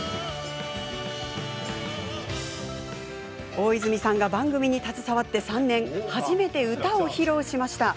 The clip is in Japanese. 大泉さんが番組に携わって３年初めて歌を披露しました。